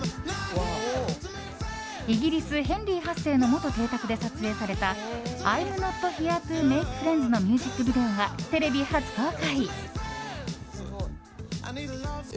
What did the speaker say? イギリス、ヘンリー８世の元邸宅で撮影された「アイム・ノット・ヒア・トゥ・メイク・フレンズ」のミュージックビデオがテレビ初公開。